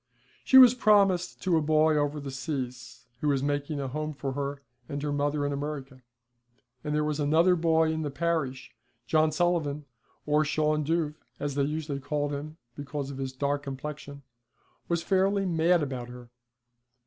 She was promised to a boy over the seas, who was making a home for her and her mother in America, and there was another boy in the parish, John Sullivan, or Shawn Dhuv, as they usually called him because of his dark complexion, was fairly mad about her.